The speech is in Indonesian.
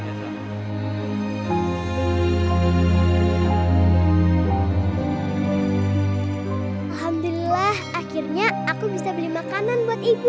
alhamdulillah akhirnya aku bisa beli makanan buat ibu